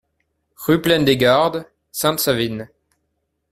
Rue Plaine des Gardes, Sainte-Savine